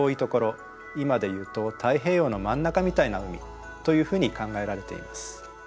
今でいうと太平洋の真ん中みたいな海というふうに考えられています。